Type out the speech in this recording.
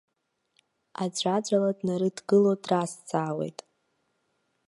Аӡәаӡәала днарыдгыло дразҵаауеит.